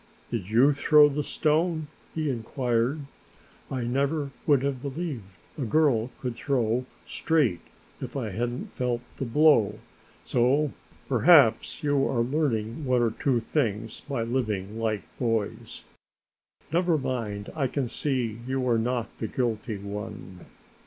"Did you throw the stone?" he inquired. "I never would have believed a girl could throw straight if I hadn't felt the blow, so perhaps you are learning one or two things by living like boys. Never mind, I can see you are not the guilty one."